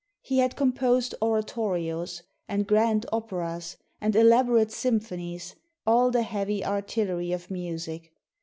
He had composed oratorios, and grand operas, and elaborate symphonies — all the heavy artillery of music.